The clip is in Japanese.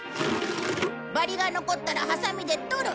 バリが残ったらはさみで取る。